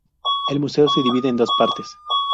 El museo se divide en dos partes.